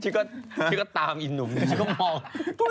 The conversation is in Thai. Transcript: ชิคกี้พายตามอีนหนุ่มนี่ชิคกี้พายก็มอง